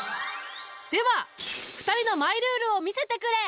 では２人のマイルールを見せてくれ。